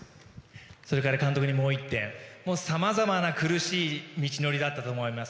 それから監督にもう１点さまざまな苦しい道のりだったと思います。